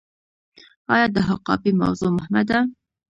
آیا د حقابې موضوع مهمه ده؟